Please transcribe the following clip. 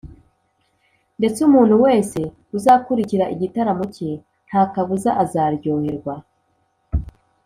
ndetse umuntu wese uzakurikira igitaramo cye nta kabuza azaryoherwa.